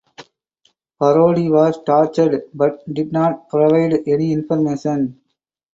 Parodi was tortured but did not provide any information.